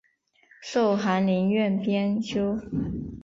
授翰林院编修。